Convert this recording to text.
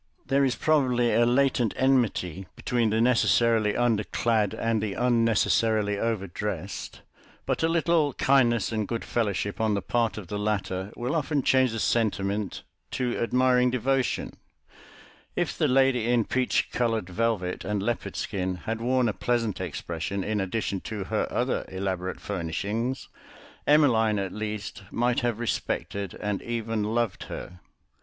There is probably a latent enmity between the necessarily under clad and the unnecessarily overdressed, but a little kindness and good fellowship on the part of the latter will often change the sentiment to admiring devotion; if the lady in peach coloured velvet and leopard skin had worn a pleasant expression in addition to her other elaborate furnishings, Emmeline at least might have respected and even loved her.